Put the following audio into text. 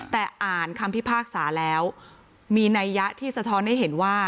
แต่อ่านคำพิพากษาแล้วมีนัยยะที่สะท้อนให้เห็นว่า